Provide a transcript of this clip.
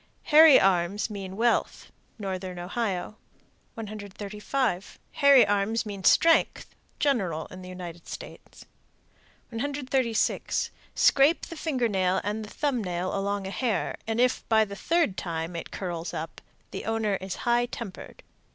Hairy arms mean wealth. Northern Ohio. 135. Hairy arms mean strength. General in the United States. 136. Scrape the finger nail and the thumb nail along a hair, and if, by the third time, it curls up, the owner is high tempered.